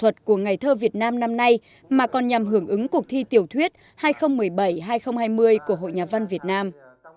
những bài hát của ngày thơ việt nam năm nay mà còn nhằm hưởng ứng cục thi tiểu thuyết hai nghìn một mươi bảy hai nghìn hai mươi của hội nhà văn việt nam